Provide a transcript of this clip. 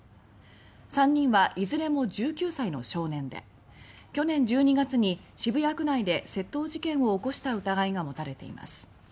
３人はいずれも１９歳の少年で去年１２月に渋谷区内で窃盗事件を起こした疑いが持たれています。